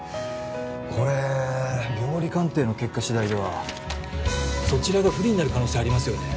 これ病理鑑定の結果しだいではそちらが不利になる可能性ありますよね